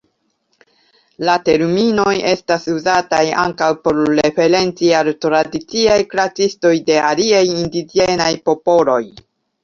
La terminoj estas uzataj ankaŭ por referenci al tradiciaj kuracistoj de aliaj indiĝenaj popoloj.